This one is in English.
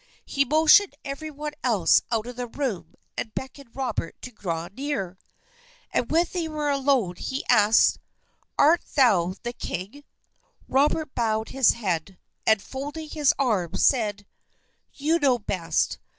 He motioned every one else out of the room and beckoned Robert to draw near. And when they were alone, he asked, "Art thou the king?" Robert bowed his head, and folding his arms, said, "You know best.